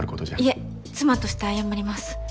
いえ妻として謝ります。